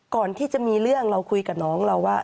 ก่อนที่จะมีเรื่องเราคุยกับน้องเราว่า